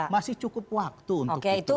masih cukup waktu untuk itu